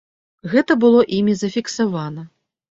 Гэта было імі зафіксавана.